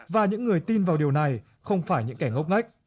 và những người tin vào điều này không phải những kẻ ngốc ngách